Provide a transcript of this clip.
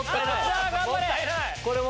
さぁ頑張れ！